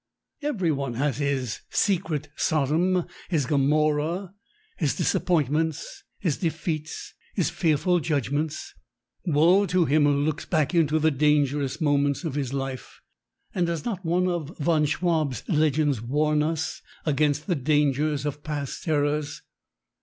Everyone has his secret Sodom, his Gomorrah, his disappointments, his defeats, his fearful judgments! Woe to him who looks back into the dangerous moments of his life! And does not one of von Schwab's legends warn us against the dangers of past terrors?